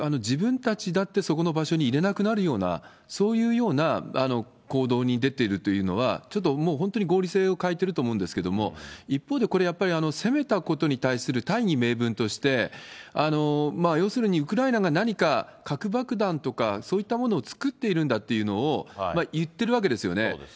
自分たちだってそこの場所にいれなくなるような、そういうような行動に出ているというのは、ちょっともう本当に合理性を欠いてると思うんですけれども、一方でこれ、やっぱり攻めたことに対する大義名分として、要するにウクライナが何か、核爆弾とか、そういったものを作っているんだっていうのを言ってるわけですよね。